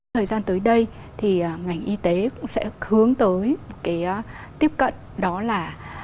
thời gian tới đây thì ngành y tế cũng sẽ hướng tới một cái tiếp cận đó là